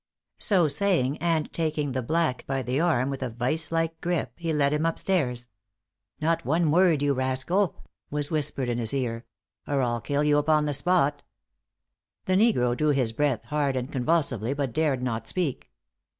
So saying, and taking the black by the arm with a vice like grasp, he led him up stairs. "Not one word, you rascal," was whispered in his ear, "or I kill you upon the spot." The negro drew his breath hard and convulsively, but dared not speak.